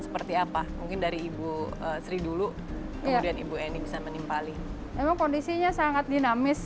seperti apa mungkin dari ibu sri dulu kemudian ibu eni bisa menimpali emang kondisinya sangat dinamis